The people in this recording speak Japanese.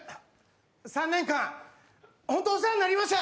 ３年間本当にお世話になりました。